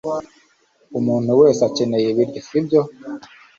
Umuntu wese akeneye ibiryo, sibyo?